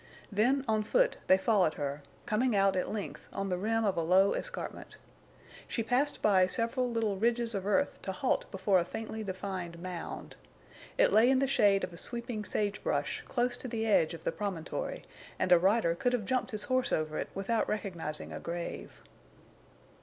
Then, on foot, they followed her, coming out at length on the rim of a low escarpment. She passed by several little ridges of earth to halt before a faintly defined mound. It lay in the shade of a sweeping sage brush close to the edge of the promontory; and a rider could have jumped his horse over it without recognizing a grave.